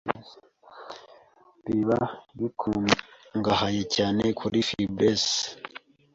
biba bikungahaye cyane kuri fibres,